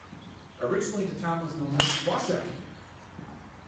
Originally, the town was known as Washakie.